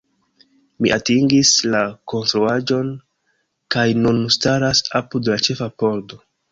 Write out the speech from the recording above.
Mi atingis la konstruaĵon, kaj nun staras apud la ĉefa pordo.